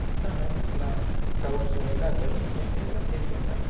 Tamen, la kaŭzorilatoj ne estas evidentaj.